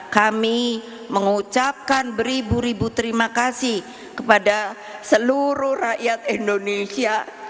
kami mengucapkan beribu ribu terima kasih kepada seluruh rakyat indonesia